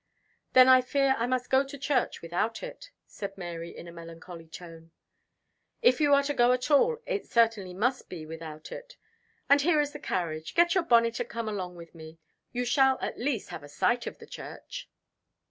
"Then I fear I must go to church without it," said Mary in a melancholy tone. "If you are to go at all, it must certainly be without it. And here is the carriage get your bonnet, and come along with me. You shall at least have a sight of the church."